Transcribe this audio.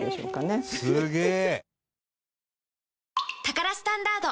すげえ！